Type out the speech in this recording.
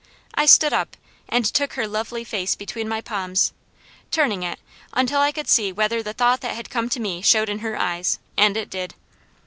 I stood up and took her lovely face between my palms, turning it until I could see whether the thought that had come to me showed in her eyes, and it did.